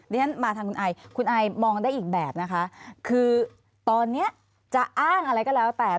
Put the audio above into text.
ฉันมาทางคุณไอคุณไอมองได้อีกแบบนะคะคือตอนนี้จะอ้างอะไรก็แล้วแต่